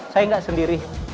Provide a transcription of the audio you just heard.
saya gak sendiri